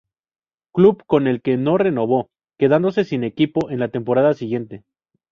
Club con el que no renovó, quedándose sin equipo en la temporada siguiente.